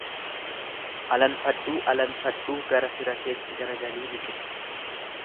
Alanfadhuu alanfadhuu gara fira keetti garagalii liqimsi.